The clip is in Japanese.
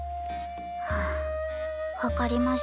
はぁ分かりました。